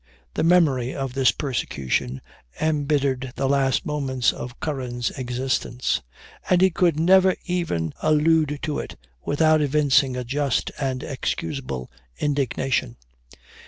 The memory of this persecution embittered the last moments of Curran's existence; and he could never even allude to it, without evincing a just and excusable indignation.